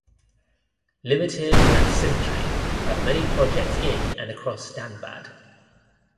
Ltd at Sindri have many projects in and across Dhanbad.